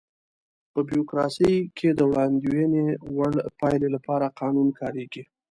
په بیوروکراسي کې د وړاندوينې وړ پایلې لپاره قانون کاریږي.